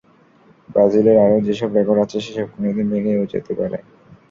ব্রাজিলের আরও যেসব রেকর্ড আছে, সেসব কোনো দিন ভেঙেও যেতে পারে।